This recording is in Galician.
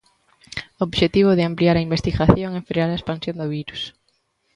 O obxectivo de ampliar a investigación é frear a expansión do virus.